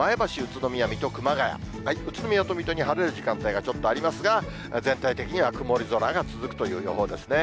宇都宮と水戸に晴れる時間帯がちょっとありますが、全体的には曇り空が続くという予報ですね。